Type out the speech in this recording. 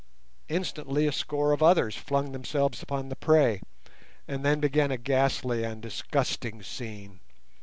Instantly a score of others flung themselves upon the prey, and then began a ghastly and disgusting scene.